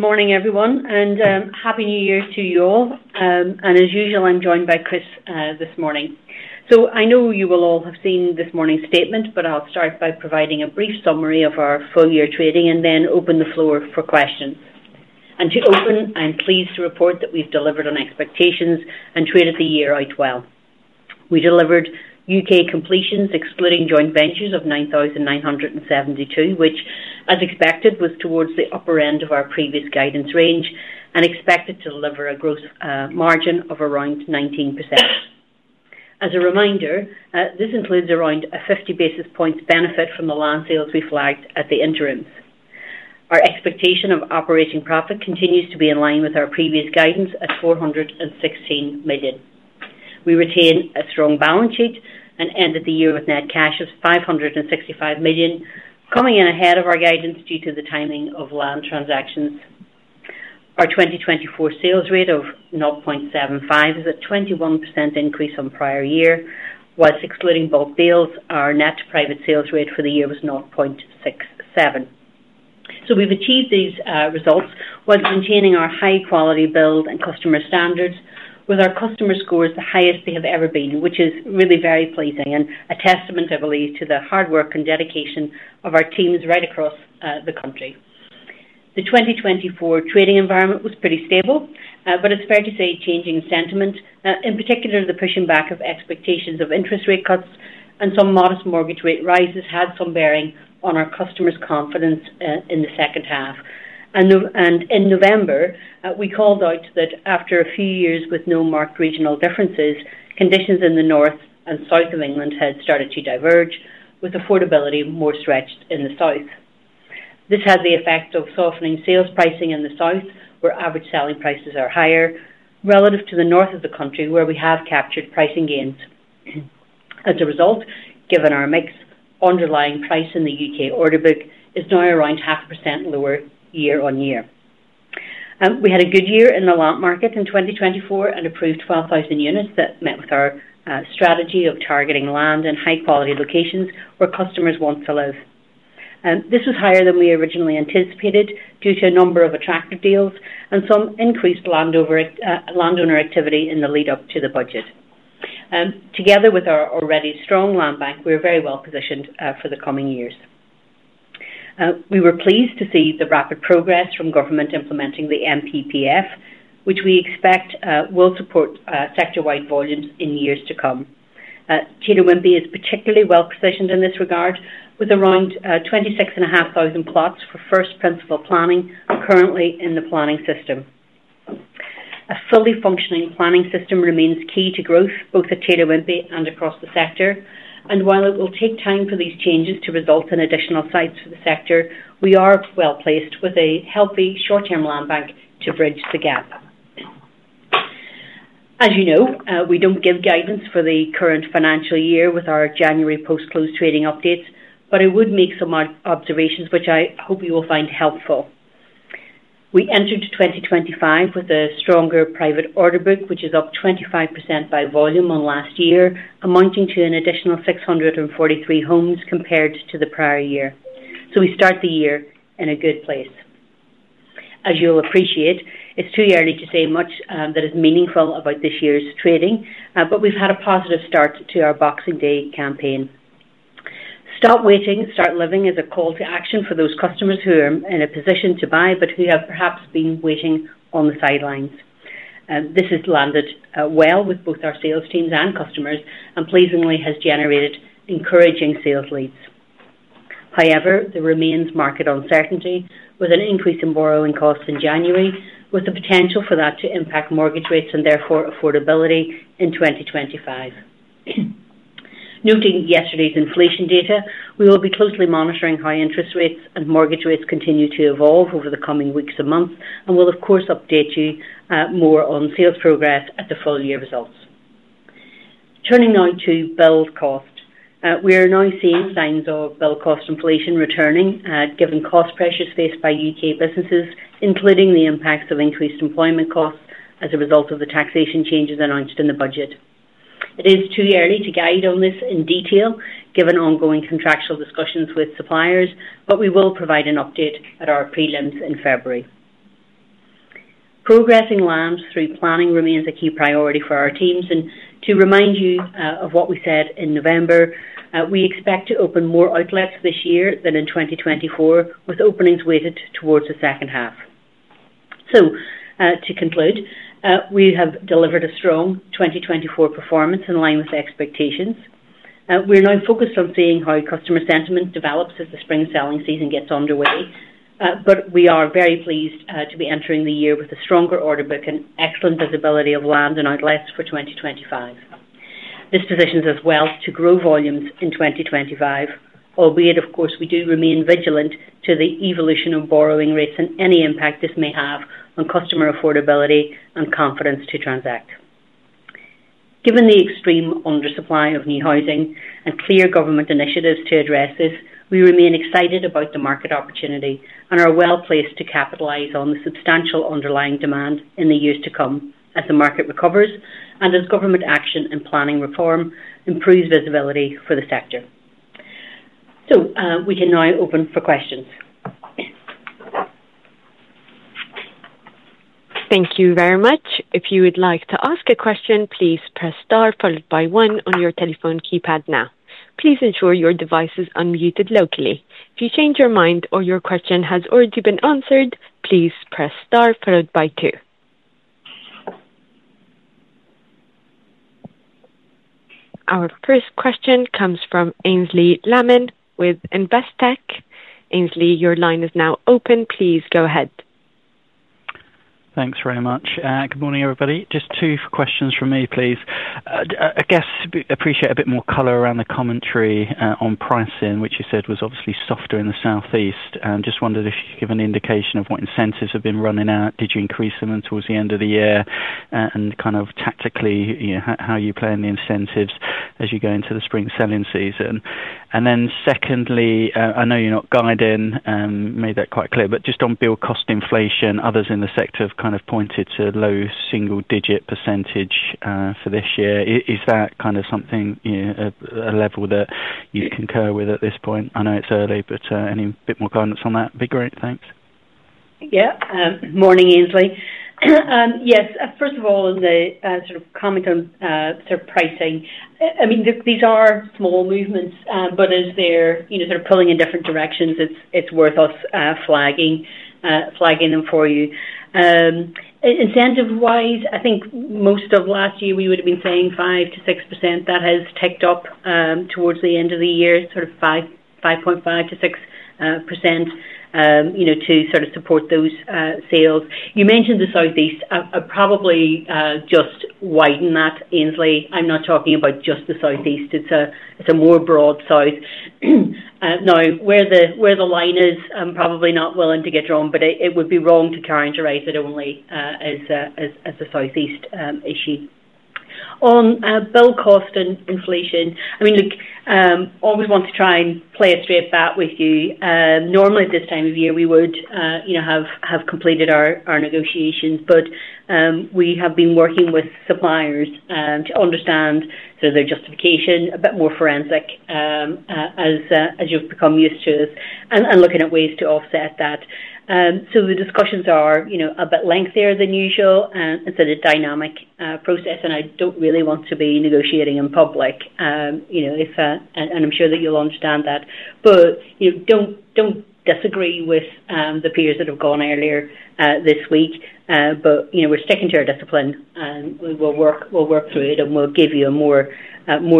Good morning, everyone, and happy New Year to you all, and as usual, I'm joined by Chris this morning, so I know you will all have seen this morning's statement, but I'll start by providing a brief summary of our full year trading and then open the floor for questions, and to open, I'm pleased to report that we've delivered on expectations and traded the year out well. We delivered UK completions, excluding joint ventures, of 9,972, which, as expected, was towards the upper end of our previous guidance range and expected to deliver a gross margin of around 19%. As a reminder, this includes around a 50 basis points benefit from the land sales we flagged at the interims. Our expectation of operating profit continues to be in line with our previous guidance at 416 million. We retain a strong balance sheet and ended the year with net cash of 565 million, coming in ahead of our guidance due to the timing of land transactions. Our 2024 sales rate of 0.75 is a 21% increase from prior year. Whilst excluding bulk deals, our net private sales rate for the year was 0.67. So we've achieved these results while maintaining our high-quality build and customer standards, with our customer scores the highest they have ever been, which is really very pleasing and a testament, I believe, to the hard work and dedication of our teams right across the country. The 2024 trading environment was pretty stable, but it's fair to say changing sentiment, in particular the pushing back of expectations of interest rate cuts and some modest mortgage rate rises had some bearing on our customers' confidence, in the second half. In November, we called out that after a few years with no marked regional differences, conditions in the North and South of England had started to diverge, with affordability more stretched in the south. This had the effect of softening sales pricing in the South, where average selling prices are higher, relative to the North of the country, where we have captured pricing gains. As a result, given our mixed underlying price in the U.K. order book, it's now around 0.5% lower year on year. We had a good year in the land market in 2024 and approved 12,000 units that met with our strategy of targeting land in high-quality locations where customers want to live. This was higher than we originally anticipated due to a number of attractive deals and some increased landowner activity in the lead-up to the budget. Together with our already strong land bank, we are very well positioned for the coming years. We were pleased to see the rapid progress from government implementing the NPPF, which we expect will support sector-wide volumes in years to come. Taylor Wimpey is particularly well positioned in this regard, with around 26,500 plots for Planning in Principle currently in the planning system. A fully functioning planning system remains key to growth, both at Taylor Wimpey and across the sector. And while it will take time for these changes to result in additional sites for the sector, we are well placed with a healthy short-term land bank to bridge the gap. As you know, we don't give guidance for the current financial year with our January post-close trading updates, but I would make some marked observations, which I hope you will find helpful. We entered 2025 with a stronger private order book, which is up 25% by volume on last year, amounting to an additional 643 homes compared to the prior year. So we start the year in a good place. As you'll appreciate, it's too early to say much that is meaningful about this year's trading, but we've had a positive start to our Boxing Day campaign. Start waiting, start living is a call to action for those customers who are in a position to buy but who have perhaps been waiting on the sidelines. This has landed well with both our sales teams and customers and pleasingly has generated encouraging sales leads. However, there remains market uncertainty with an increase in borrowing costs in January, with the potential for that to impact mortgage rates and therefore affordability in 2025. Noting yesterday's inflation data, we will be closely monitoring high interest rates and mortgage rates continue to evolve over the coming weeks and months, and we'll, of course, update you more on sales progress at the full year results. Turning now to build cost, we are now seeing signs of build cost inflation returning, given cost pressures faced by U.K. businesses, including the impacts of increased employment costs as a result of the taxation changes announced in the budget. It is too early to guide on this in detail, given ongoing contractual discussions with suppliers, but we will provide an update at our Prelims in February. Progressing land through planning remains a key priority for our teams, and to remind you of what we said in November, we expect to open more outlets this year than in 2024, with openings weighted towards the second half. So, to conclude, we have delivered a strong 2024 performance in line with expectations. We're now focused on seeing how customer sentiment develops as the spring selling season gets underway, but we are very pleased, to be entering the year with a stronger order book and excellent visibility of land and outlets for 2025. This positions us well to grow volumes in 2025, albeit, of course, we do remain vigilant to the evolution of borrowing rates and any impact this may have on customer affordability and confidence to transact. Given the extreme undersupply of new housing and clear government initiatives to address this, we remain excited about the market opportunity and are well placed to capitalize on the substantial underlying demand in the years to come as the market recovers and as government action and planning reform improves visibility for the sector. So, we can now open for questions. Thank you very much. If you would like to ask a question, please press star followed by one on your telephone keypad now. Please ensure your device is unmuted locally. If you change your mind or your question has already been answered, please press star followed by two. Our first question comes from Aynsley Lammin with Investec. Aynsley, your line is now open. Please go ahead. Thanks very much. Good morning, everybody. Just two questions from me, please. I guess I appreciate a bit more color around the commentary on pricing, which you said was obviously softer in the southeast. And just wondered if you could give an indication of what incentives have been running out. Did you increase them until the end of the year, and kind of tactically, you know, how are you playing the incentives as you go into the spring selling season? And then secondly, I know you're not guiding, made that quite clear, but just on build cost inflation, others in the sector have kind of pointed to low single-digit % for this year. Is that kind of something, you know, a level that you concur with at this point? I know it's early, but any bit more guidance on that would be great. Thanks. Morning, Aynsley. Yes, first of all, in the sort of sort of pricing, I mean, these are small movements, but as they're, you know, sort of pulling in different directions, it's worth us flagging them for you. Incentive-wise, I think most of last year we would have been saying 5-6%. That has ticked up towards the end of the year, sort of 5.5-6%, you know, to sort of support those sales. You mentioned the Southeast. I probably just widen that, Aynsley. I'm not talking about just the Southeast. It's a more broad South. Now, where the line is, I'm probably not willing to get drawn, but it would be wrong to characterize it only as a Southeast issue. On build cost and inflation, I mean, look, always want to try and play a straight bat with you. Normally at this time of year we would, you know, have completed our negotiations, but we have been working with suppliers to understand sort of their justification a bit more forensic, as you've become used to us, and looking at ways to offset that. So the discussions are, you know, a bit lengthier than usual instead of dynamic process, and I don't really want to be negotiating in public, you know, and I'm sure that you'll understand that. But, you know, don't disagree with the peers that have gone earlier this week, but, you know, we're sticking to our discipline, and we'll work through it, and we'll give you a more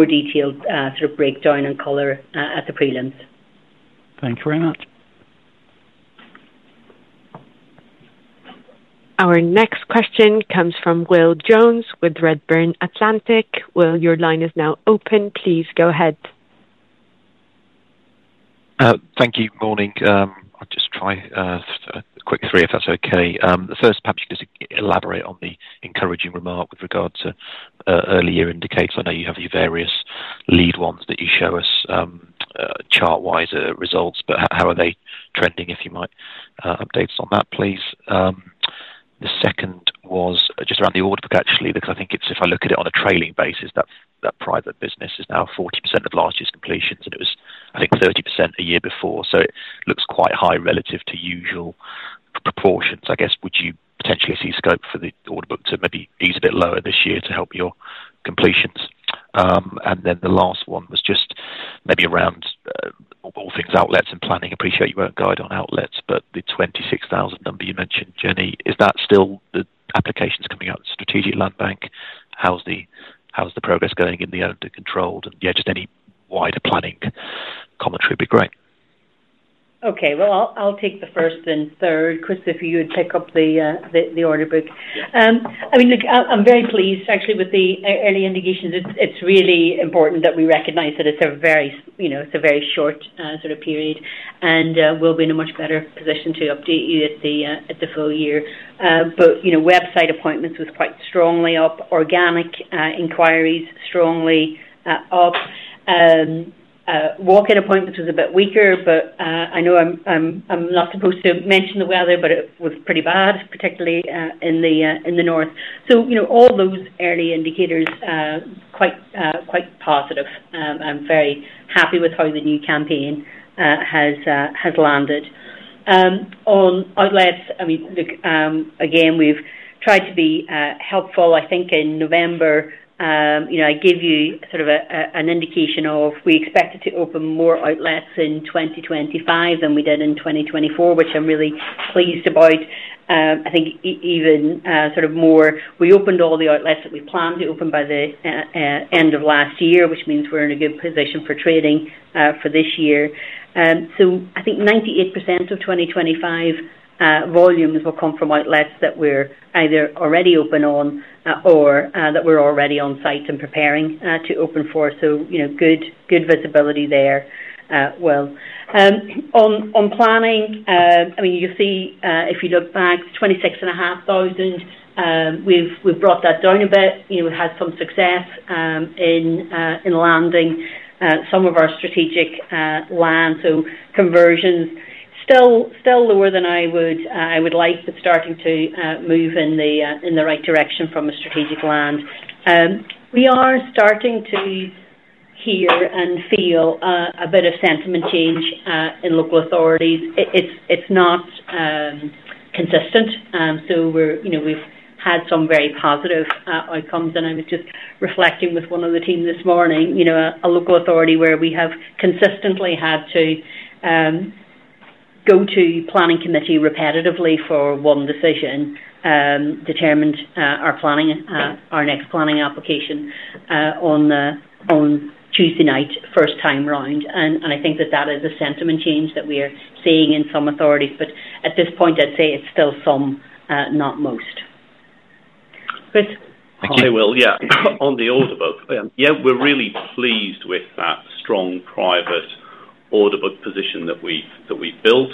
detailed sort of breakdown and color at the prelims. Thank you very much. Our next question comes from Will Jones with Redburn Atlantic. Will, your line is now open. Please go ahead. Thank you. Morning. I'll just try a quick three if that's okay. The first, perhaps you could just elaborate on the encouraging remark with regard to early year indicators. I know you have your various lead ones that you show us chart-wise, results, but how, how are they trending, if you might, updates on that, please? The second was just around the order book, actually, because I think it's, if I look at it on a trailing basis, that, that private business is now 40% of last year's completions, and it was, I think, 30% a year before. So it looks quite high relative to usual proportions. I guess, would you potentially see scope for the order book to maybe ease a bit lower this year to help your completions? And then the last one was just maybe around all things outlets and planning. Appreciate you won't guide on outlets, but the 26,000 number you mentioned, Jenny, is that still the applications coming out of the strategic land bank? How's the progress going in the under control? And just any wider planning commentary would be great. Okay. Well, I'll take the first and third, Chris, if you would pick up the order book. I mean, look, I'm very pleased, actually, with the early indications. It's really important that we recognize that it's a very, you know, it's a very short sort of period, and we'll be in a much better position to update you at the full year, but you know, website appointments was quite strongly up, organic inquiries strongly up. Walk-in appointments was a bit weaker, but I know I'm not supposed to mention the weather, but it was pretty bad, particularly in the north, so you know, all those early indicators quite positive. I'm very happy with how the new campaign has landed. On outlets, I mean, look, again, we've tried to be helpful. I think in November, you know, I gave you sort of an indication of we expected to open more outlets in 2025 than we did in 2024, which I'm really pleased about. I think even more, we opened all the outlets that we planned to open by the end of last year, which means we're in a good position for trading for this year. So I think 98% of 2025 volumes will come from outlets that we're either already open on or that we're already on site and preparing to open for. So, you know, good visibility there, Will. On planning, I mean, you'll see if you look back 26,500, we've brought that down a bit. You know, we've had some success in landing some of our strategic land. So, conversions still lower than I would like, but starting to move in the right direction from a strategic land. We are starting to hear and feel a bit of sentiment change in local authorities. It's not consistent. So, we're, you know, we've had some very positive outcomes. And I was just reflecting with one of the teams this morning, you know, a local authority where we have consistently had to go to planning committee repetitively for one decision determined our next planning application on Tuesday night, first time round. And I think that is a sentiment change that we are seeing in some authorities. But at this point, I'd say it's still some, not most. Chris. Okay, Will. On the order book, we're really pleased with that strong private order book position that we've built.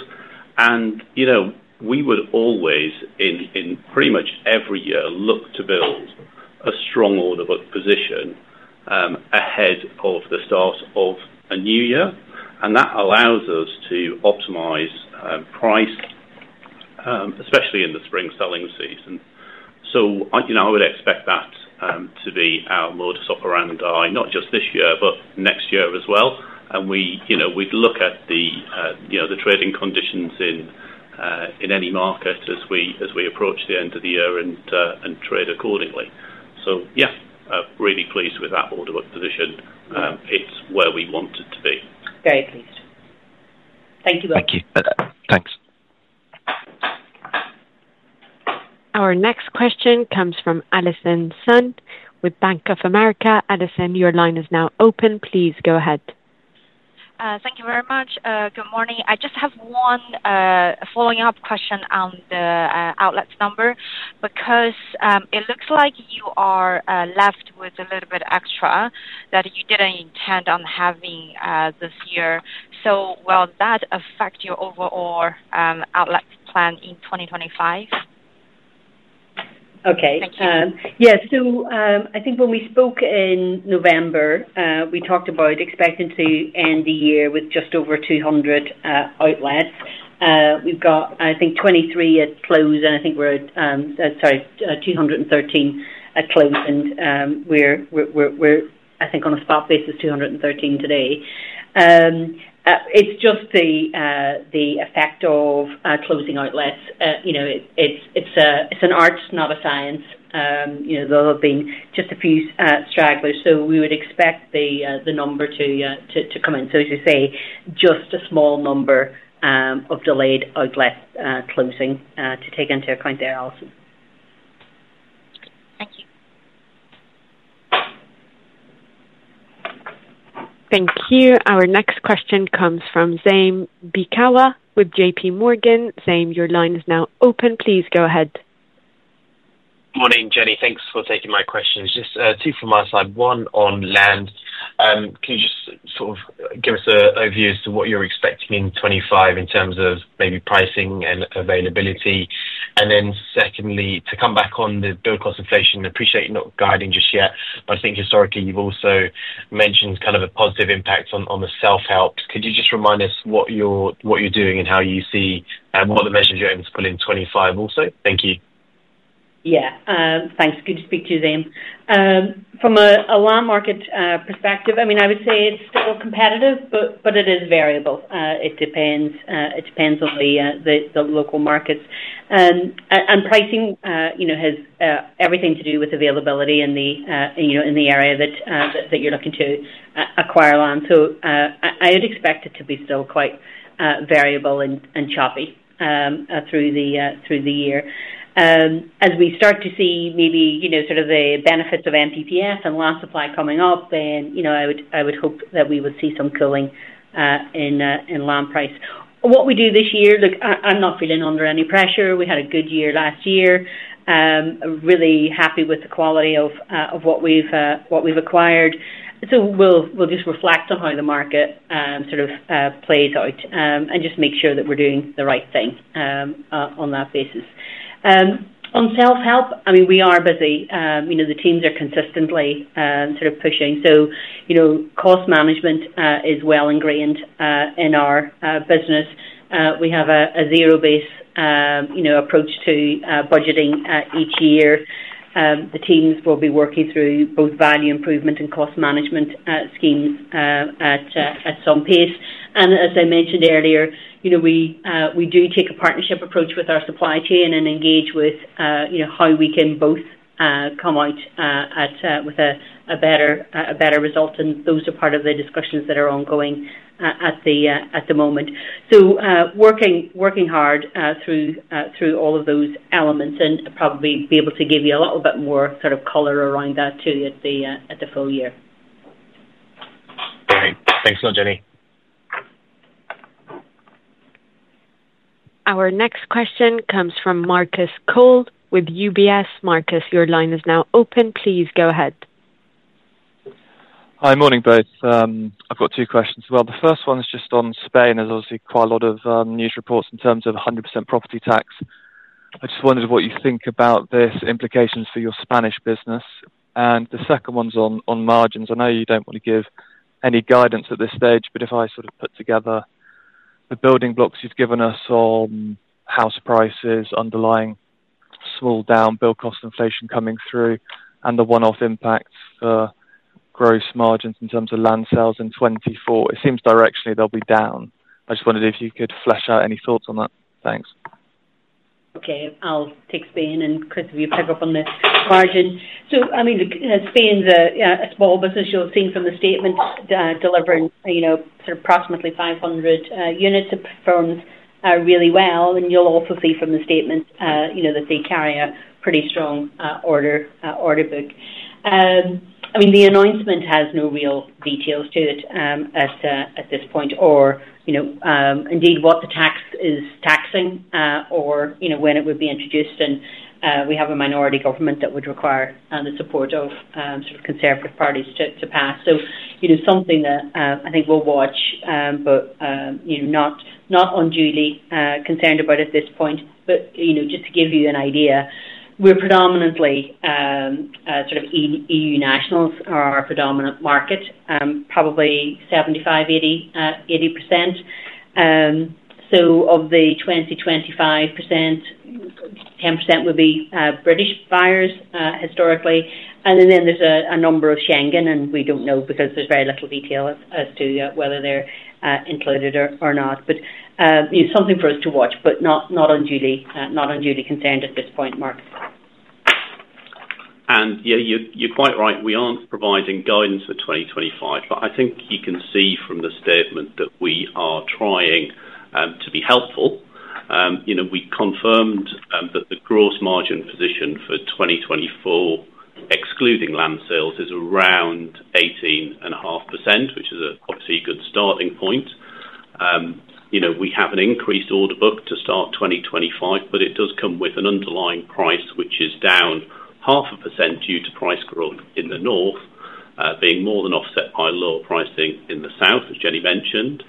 And, you know, we would always, in pretty much every year, look to build a strong order book position, ahead of the start of a new year. And that allows us to optimize price, especially in the spring selling season. So, you know, I would expect that to be our modus operandi, not just this year, but next year as well. And we, you know, we'd look at the, you know, the trading conditions in any market as we approach the end of the year and trade accordingly. So really pleased with that order book position. It's where we want it to be. Very pleased. Thank you, Will. Thank you. Thanks. Our next question comes from Allison Sun with Bank of America. Allison, your line is now open. Please go ahead. Thank you very much. Good morning. I just have one follow-up question on the outlets number because it looks like you are left with a little bit extra that you didn't intend on having this year. So will that affect your overall outlet plan in 2025? Okay. Thank you. So, I think when we spoke in November, we talked about expecting to end the year with just over 200 outlets. We've got, I think, 23 at close, and I think we're at, sorry, 213 at close. And we're, I think, on a spot basis, 213 today. It's just the effect of closing outlets. You know, it's an art, not a science. You know, there'll have been just a few stragglers. So we would expect the number to come in. So as you say, just a small number of delayed outlets closing to take into account there also. Thank you. Thank you. Our next question comes from Zaim Beekawa with J.P. Morgan. Zaim, your line is now open. Please go ahead. Morning, Jenny. Thanks for taking my question. It's just two from my side. One on land. Can you just sort of give us a view as to what you're expecting in 2025 in terms of maybe pricing and availability? And then secondly, to come back on the build cost inflation, I appreciate you're not guiding just yet, but I think historically you've also mentioned kind of a positive impact on the self-helps. Could you just remind us what you're doing and how you see what the measures you're aiming to put in 2025 also? Thank you. Thanks. Good to speak to you, Zaim. From a land market perspective, I mean, I would say it's still competitive, but it is variable. It depends on the local markets. And pricing, you know, has everything to do with availability in the area that you're looking to acquire land. So, I would expect it to be still quite variable and choppy through the year. As we start to see maybe, you know, sort of the benefits of NPPF and land supply coming up, then, you know, I would hope that we would see some cooling in land price. What we do this year, look, I'm not feeling under any pressure. We had a good year last year. Really happy with the quality of what we've acquired. So we'll just reflect on how the market, sort of, plays out, and just make sure that we're doing the right thing, on that basis. On self-help, I mean, we are busy. You know, the teams are consistently, sort of, pushing. So, you know, cost management is well ingrained in our business. We have a zero-based, you know, approach to budgeting each year. The teams will be working through both value improvement and cost management schemes at some pace. And as I mentioned earlier, you know, we do take a partnership approach with our supply chain and engage with, you know, how we can both come out with a better result. And those are part of the discussions that are ongoing at the moment. Working hard through all of those elements and probably be able to give you a little bit more sort of color around that too at the full year. Okay. Thanks a lot, Jenny. Our next question comes from Marcus Cole with UBS. Marcus, your line is now open. Please go ahead. Hi, morning both. I've got two questions. Well, the first one is just on Spain. There's obviously quite a lot of news reports in terms of 100% property tax. I just wondered what you think about these implications for your Spanish business. And the second one's on margins. I know you don't want to give any guidance at this stage, but if I sort of put together the building blocks you've given us on house prices, underlying slowdown build cost inflation coming through, and the one-off impacts for gross margins in terms of land sales in 2024, it seems directionally they'll be down. I just wondered if you could flesh out any thoughts on that. Thanks. Okay. I'll take Spain, and Chris, will you pick up on the margin? So, I mean, look, Spain's a small business. You'll see from the statement, delivering, you know, sort of approximately 500 units per annum, really well. And you'll also see from the statement, you know, that they carry a pretty strong order book. I mean, the announcement has no real details to it at this point, or, you know, indeed what the tax is taxing, or, you know, when it would be introduced. And we have a minority government that would require the support of sort of conservative parties to pass. So, you know, something that I think we'll watch, but, you know, not unduly concerned about at this point. But, you know, just to give you an idea, we're predominantly, sort of EU, EU nationals are our predominant market, probably 75-80%. So of the 20-25%, 10% would be British buyers, historically. And then there's a number of Schengen, and we don't know because there's very little detail as to whether they're included or not. But, you know, something for us to watch, but not unduly, not unduly concerned at this point, Marcus. You're quite right. We aren't providing guidance for 2025, but I think you can see from the statement that we are trying to be helpful. You know, we confirmed that the gross margin position for 2024, excluding land sales, is around 18.5%, which is obviously a good starting point. You know, we have an increased order book to start 2025, but it does come with an underlying price which is down 0.5% due to price growth in the north being more than offset by lower pricing in the south, as Jenny mentioned.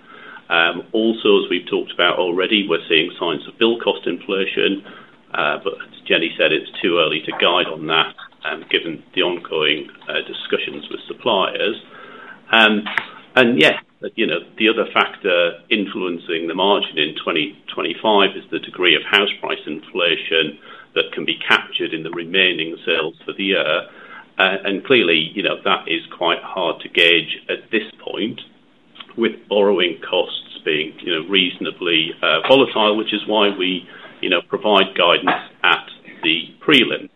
Also, as we've talked about already, we're seeing signs of build cost inflation. But as Jenny said, it's too early to guide on that, given the ongoing discussions with suppliers. And yes, you know, the other factor influencing the margin in 2025 is the degree of house price inflation that can be captured in the remaining sales for the year. And clearly, you know, that is quite hard to gauge at this point with borrowing costs being, you know, reasonably, volatile, which is why we, you know, provide guidance at the prelims.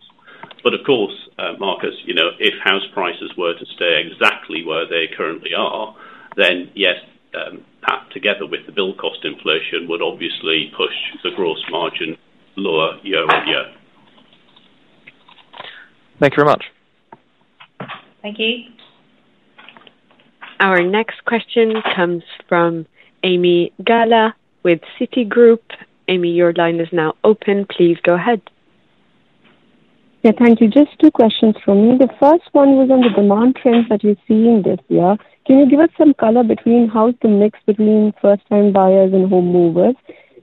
But of course, Marcus, you know, if house prices were to stay exactly where they currently are, then yes, that together with the build cost inflation would obviously push the gross margin lower year on year. Thank you very much. Thank you. Our next question comes from Ami Galla with Citi. Ami, your line is now open. Please go ahead. Thank you. Just two questions for me. The first one was on the demand trends that you're seeing this year. Can you give us some color between how to mix between first-time buyers and home movers?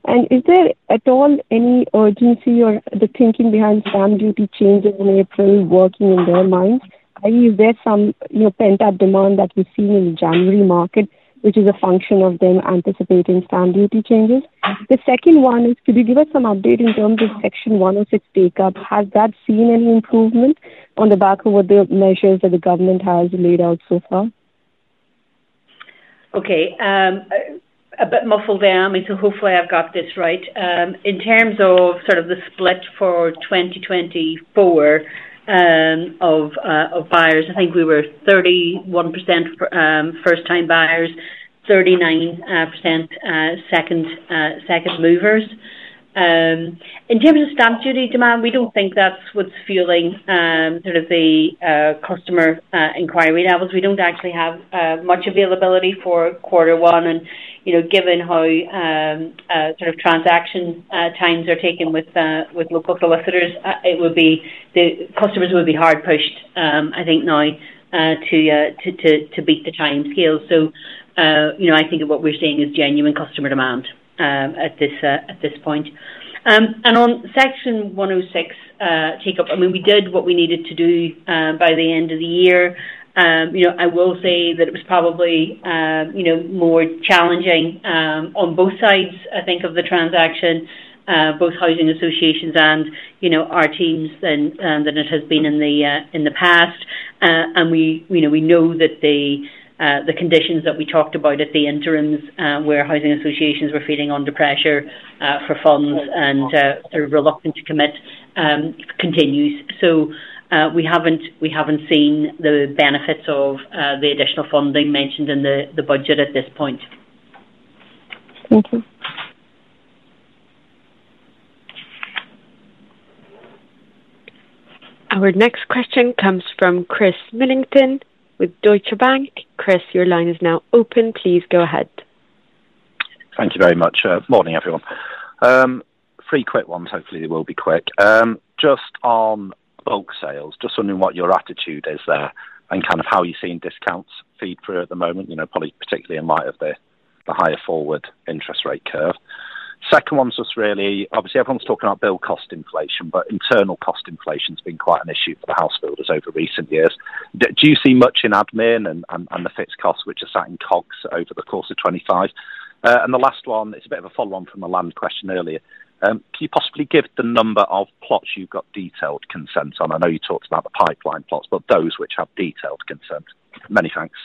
And is there at all any urgency or the thinking behind stamp duty changes in April working in their minds? I mean, is there some, you know, pent-up demand that we've seen in the January market, which is a function of them anticipating stamp duty changes? The second one is, could you give us some update in terms of Section 106 take-up? Has that seen any improvement on the back of what the measures that the government has laid out so far? Okay. A bit muffled there. I mean, so hopefully I've got this right. In terms of sort of the split for 2024, of buyers, I think we were 31% first-time buyers, 39% second movers. In terms of stamp duty demand, we don't think that's what's fueling sort of the customer inquiry levels. We don't actually have much availability for Q1. And you know, given how sort of transaction times are taken with local solicitors, the customers would be hard pushed, I think, now, to beat the time scale. So you know, I think what we're seeing is genuine customer demand at this point. And on Section 106 take-up, I mean, we did what we needed to do by the end of the year. You know, I will say that it was probably, you know, more challenging on both sides, I think, of the transaction, both housing associations and, you know, our teams than it has been in the past. We, you know, know that the conditions that we talked about at the Interims, where housing associations were feeling under pressure for funds and sort of reluctant to commit, continues. So, we haven't seen the benefits of the additional funding mentioned in the budget at this point. Thank you. Our next question comes from Chris Millington with Deutsche Bank. Chris, your line is now open. Please go ahead. Thank you very much. Morning, everyone. Three quick ones. Hopefully they will be quick. Just on bulk sales, just wondering what your attitude is there and kind of how you're seeing discounts feed through at the moment, you know, probably particularly in light of the higher forward interest rate curve. Second one's just really, obviously everyone's talking about build cost inflation, but internal cost inflation's been quite an issue for the house builders over recent years. Do you see much in admin and the fixed costs which are sat in COGS over the course of 2025? And the last one, it's a bit of a follow-on from the land question earlier. Can you possibly give the number of plots you've got detailed consent on? I know you talked about the pipeline plots, but those which have detailed consent. Many thanks.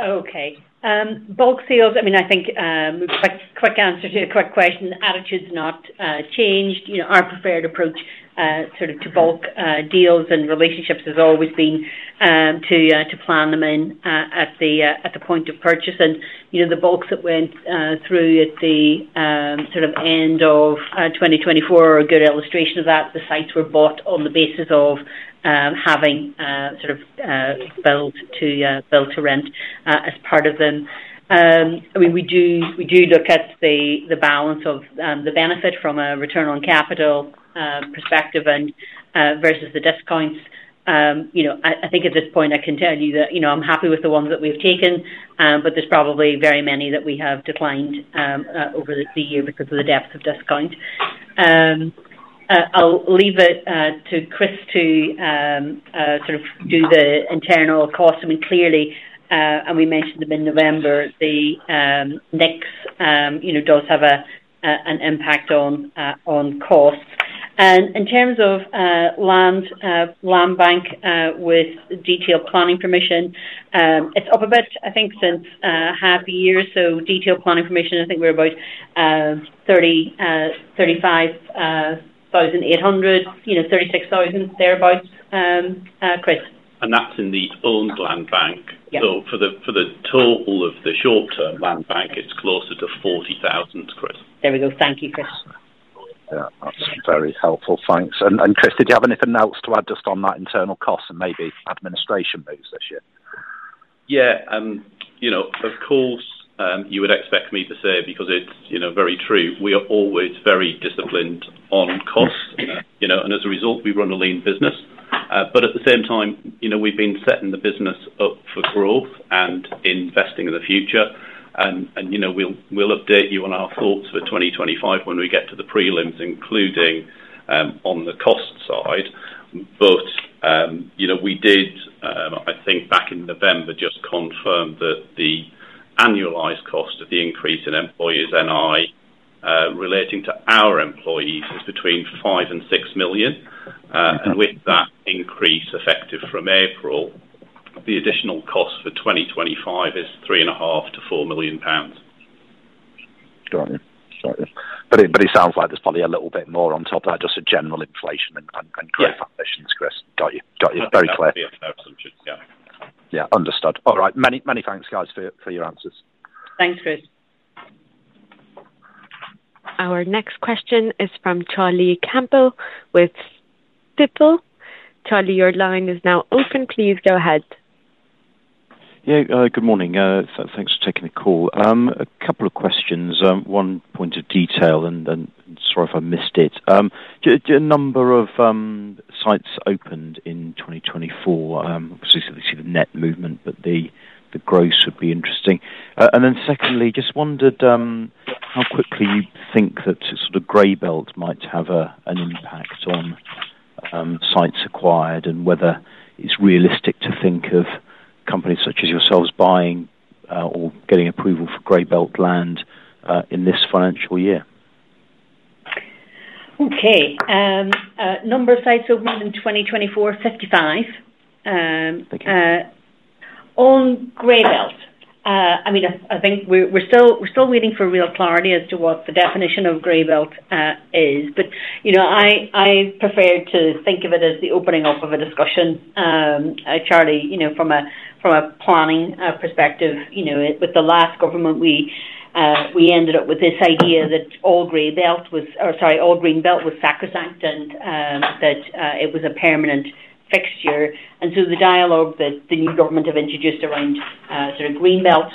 Okay. Bulk sales, I mean, I think, quick, quick answer to your quick question. Attitude's not changed. You know, our preferred approach, sort of to bulk deals and relationships has always been to plan them in at the point of purchase. And, you know, the bulks that went through at the sort of end of 2024 are a good illustration of that. The sites were bought on the basis of having sort of build to rent as part of them. I mean, we do look at the balance of the benefit from a return on capital perspective and versus the discounts. You know, I think at this point I can tell you that, you know, I'm happy with the ones that we've taken, but there's probably very many that we have declined over the year because of the depth of discounts. I'll leave it to Chris to sort of do the internal costs. I mean, clearly, and we mentioned them in November, the NICs, you know, does have an impact on costs. And in terms of land bank with detailed planning permission, it's up a bit, I think, since half year. So detailed planning permission, I think we're about 30-35 thousand eight hundred, you know, 36,000 thereabouts, Chris. That's in the owned land bank? Yes. For the total of the short-term land bank, it's closer to 40,000, Chris. There we go. Thank you, Chris. That's very helpful. Thanks. And Chris, did you have anything else to add just on that internal costs and maybe administration moves this year? Of course, you would expect me to say, because it's, you know, very true, we are always very disciplined on costs. You know, and as a result, we run a lean business. But at the same time, you know, we've been setting the business up for growth and investing in the future. And, you know, we'll update you on our thoughts for 2025 when we get to the prelims, including on the cost side. But, you know, we did, I think back in November, just confirm that the annualized cost of the increase in employees NI, relating to our employees is between 5 million and 6 million. and with that increase effective from April, the additional cost for 2025 is 3.5 million-4 million pounds. Got you. Got you. But it sounds like there's probably a little bit more on top of that, just a general inflation and credit foundations, Chris. Got you. Got you. Very clear. Understood. All right. Many, many thanks, guys, for, for your answers. Thanks, Chris. Our next question is from Charlie Campbell with Panmure Liberum. Charlie, your line is now open. Please go ahead. Good morning. Thanks for taking the call. A couple of questions. One point of detail, and sorry if I missed it. Do a number of sites opened in 2024. Obviously, so we see the net movement, but the gross would be interesting. And then secondly, just wondered how quickly you think that sort of grey belt might have an impact on sites acquired and whether it's realistic to think of companies such as yourselves buying or getting approval for grey belt land in this financial year. Okay. Number of sites opened in 2024, 55. Thank you. On grey belt, I mean, I think we're still waiting for real clarity as to what the definition of grey belt is. But you know, I prefer to think of it as the opening up of a discussion. Charlie, you know, from a planning perspective, you know, with the last government, we ended up with this idea that all grey belt was, or sorry, all green belt was sacrosanct and that it was a permanent fixture. And so the dialogue that the new government have introduced around sort of green belt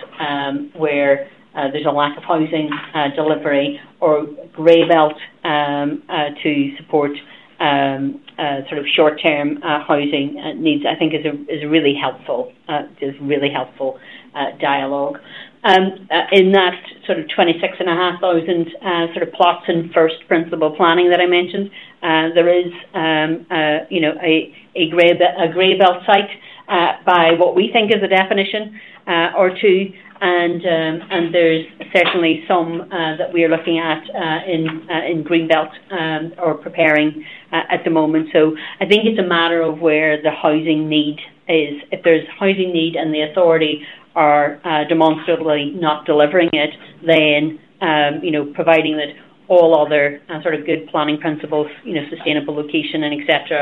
where there's a lack of housing delivery or grey belt to support sort of short-term housing needs, I think is a really helpful dialogue. In that sort of 26.5 thousand, sort of plots in Planning in Principle that I mentioned, there is, you know, a grey belt, a grey belt site, by what we think is the definition, or two. And there's certainly some that we are looking at in green belt or preparing at the moment. I think it's a matter of where the housing need is. If there's housing need and the authority are demonstrably not delivering it, then, you know, providing that all other sort of good planning principles, you know, sustainable location and et cetera,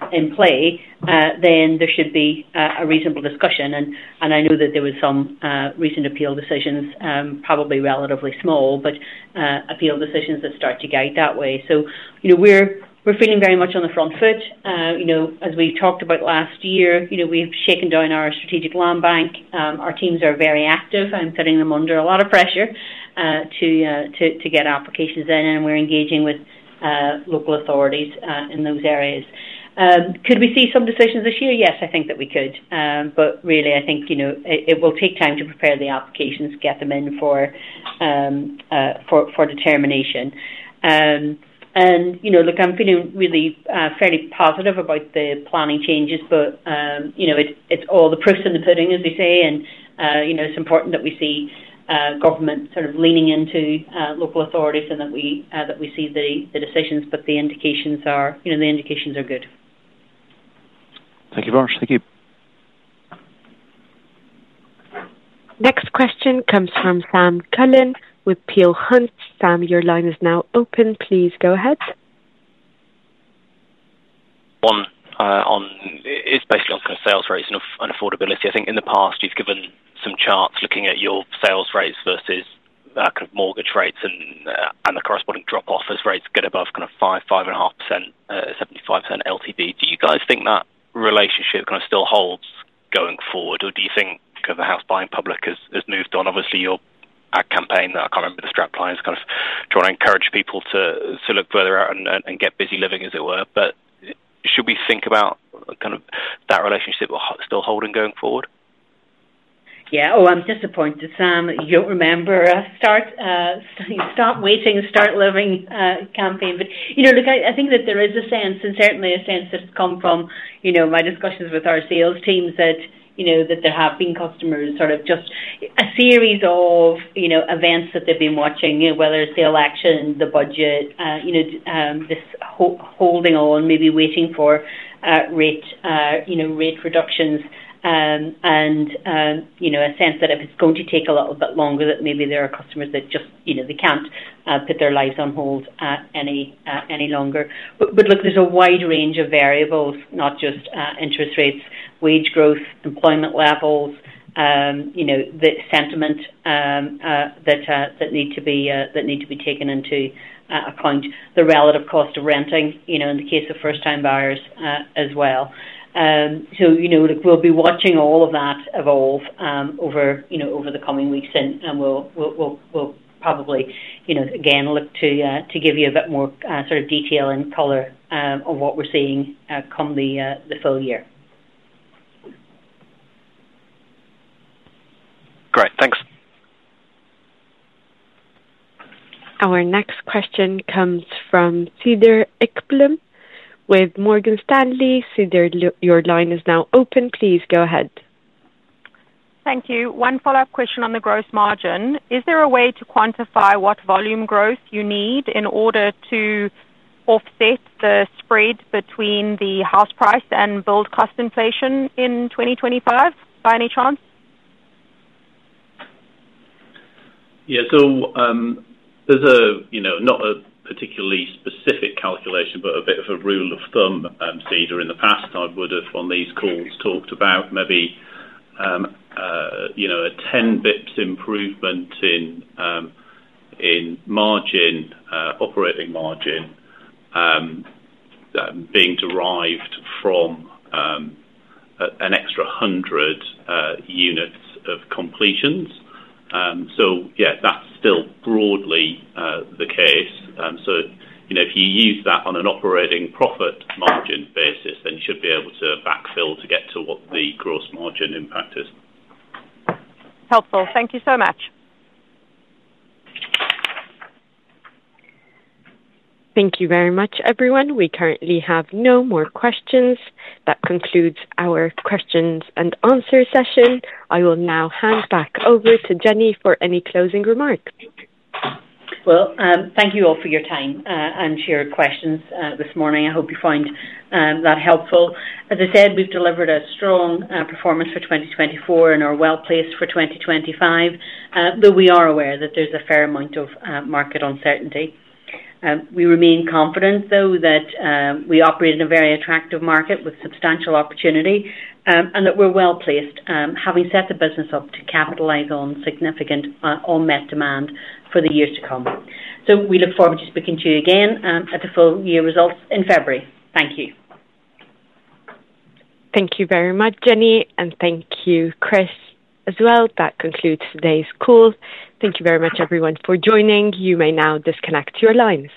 are in play, then there should be a reasonable discussion. And I know that there were some recent appeal decisions, probably relatively small, but appeal decisions that start to guide that way. You know, we're feeling very much on the front foot. You know, as we talked about last year, you know, we've shaken down our strategic land bank. Our teams are very active. I'm putting them under a lot of pressure to get applications in, and we're engaging with local authorities in those areas. Could we see some decisions this year? Yes, I think that we could. But really, I think, you know, it will take time to prepare the applications, get them in for determination. You know, look, I'm feeling really fairly positive about the planning changes, but, you know, it's all the proof is in the pudding, as we say. You know, it's important that we see government sort of leaning into local authorities and that we see the decisions. The indications are, you know, the indications are good. Thank you very much. Thank you. Next question comes from Sam Cullen with Peel Hunt. Sam, your line is now open. Please go ahead. It's basically on kind of sales rates and affordability. I think in the past you've given some charts looking at your sales rates versus kind of mortgage rates and the corresponding drop-off as rates get above kind of 5-5.5%, 75% LTV. Do you guys think that relationship kind of still holds going forward, or do you think kind of the house buying public has moved on? Obviously, your ad campaign that I can't remember, the strap lines, kind of trying to encourage people to look further out and get busy living, as it were. But should we think about kind of that relationship still holding going forward? I'm disappointed, Sam. You don't remember our start waiting and start living campaign. But, you know, look, I think that there is a sense, and certainly a sense that's come from, you know, my discussions with our sales teams that, you know, that there have been customers sort of just a series of, you know, events that they've been watching, you know, whether it's the election, the budget, you know, this holding on, maybe waiting for rate reductions, and you know, a sense that if it's going to take a little bit longer, that maybe there are customers that just, you know, they can't put their lives on hold any longer. But look, there's a wide range of variables, not just interest rates, wage growth, employment levels, you know, the sentiment that need to be taken into account, the relative cost of renting, you know, in the case of first-time buyers, as well, so you know, look, we'll be watching all of that evolve over the coming weeks, and we'll probably, you know, again, look to give you a bit more sort of detail and color of what we're seeing come the full year. Great. Thanks. Our next question comes from Cedar Ekblom with Morgan Stanley. Cedar, your line is now open. Please go ahead. Thank you. One follow-up question on the gross margin. Is there a way to quantify what volume growth you need in order to offset the spread between the house price and build cost inflation in 2025, by any chance? So, there's a, you know, not a particularly specific calculation, but a bit of a rule of thumb. Cedar, in the past, I would have, on these calls, talked about maybe, you know, a 10 basis points improvement in margin, operating margin, being derived from an extra hundred units of completions. So yeah, that's still broadly the case. So, you know, if you use that on an operating profit margin basis, then you should be able to backfill to get to what the gross margin impact is. Helpful. Thank you so much. Thank you very much, everyone. We currently have no more questions. That concludes our questions and answers session. I will now hand back over to Jenny for any closing remarks. Thank you all for your time and your questions this morning. I hope you find that helpful. As I said, we've delivered a strong performance for 2024 and are well placed for 2025, though we are aware that there's a fair amount of market uncertainty. We remain confident, though, that we operate in a very attractive market with substantial opportunity, and that we're well placed, having set the business up to capitalize on significant unmet demand for the years to come. We look forward to speaking to you again at the full year results in February. Thank you. Thank you very much, Jenny, and thank you, Chris, as well. That concludes today's call. Thank you very much, everyone, for joining. You may now disconnect your lines.